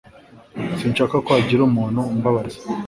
Sinshaka ko hagira umuntu umbabaza.